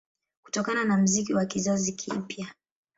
Kutokana na muziki wa kizazi kipya